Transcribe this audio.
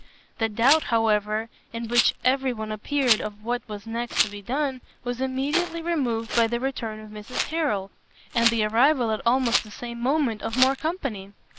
The doubt, however, in which every one appeared of what was next to be done, was immediately removed by the return of Mrs Harrel, and the arrival at almost the same moment of more company.